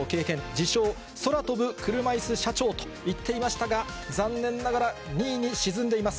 自称、空飛ぶ車いす社長と言っていましたが、残念ながら２位に沈んでいます。